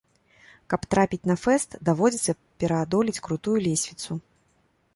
Каб трапіць на фэст, даводзіцца пераадолець крутую лесвіцу.